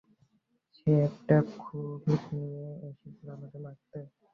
সে একটা ক্ষুর নিয়ে এসেছিল আমাকে মারতে।